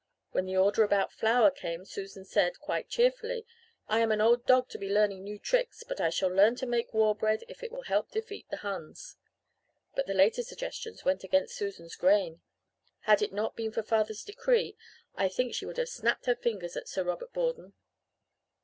When the order about flour came Susan said, quite cheerfully, 'I am an old dog to be learning new tricks, but I shall learn to make war bread if it will help defeat the Huns.' "But the later suggestions went against Susan's grain. Had it not been for father's decree I think she would have snapped her fingers at Sir Robert Borden.